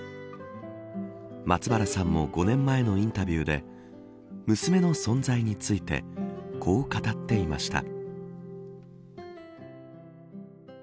松原さんも５年前のインタビューで娘の存在についてこう語っていました。